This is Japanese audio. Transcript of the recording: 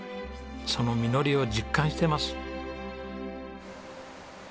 その実りを実感してます。